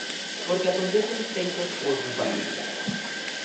Porque acontecen feitos preocupantes.